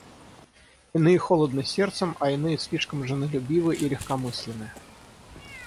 Иные холодны сердцем, а иные слишком женолюбивы и легкомысленны.